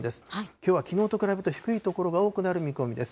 きょうはきのうと比べると低い所が多くなる見込みです。